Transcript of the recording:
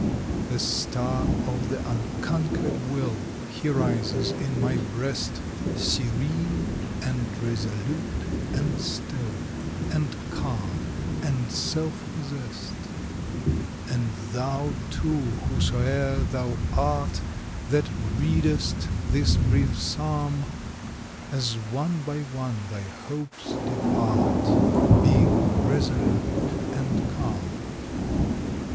The star of the unconquered will, He rises in my breast, Serene, and resolute, and still, And calm, and self possessed. And thou, too, whosoe'er thou art, That readest this brief psalm, As one by one thy hopes depart, Be resolute and calm.